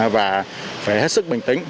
và phải hết sức bình tĩnh